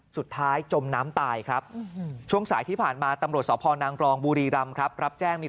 สุดท้ายจมน้ำตายครับ